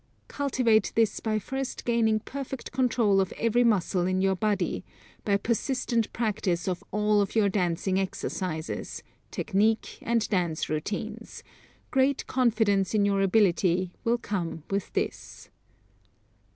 Cultivate this by first gaining perfect control of every muscle in your body, by persistent practice of all of your dancing exercises, technique and dance routines; great confidence in your ability will come with this.